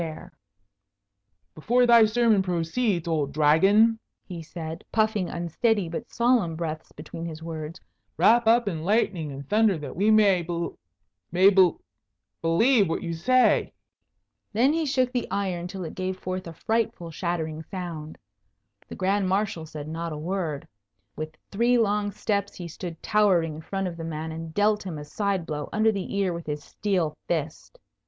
[Illustration: Hubert Looketh out of ye Window] "Before thy sermon proceeds, old Dragon," he said, puffing unsteady but solemn breaths between his words, "wrap up in lightning and thunder that we may be may be lieve what you say." Then he shook the iron till it gave forth a frightful shattering sound. The Grand Marshal said not a word. With three long steps he stood towering in front of the man and dealt him a side blow under the ear with his steel fist.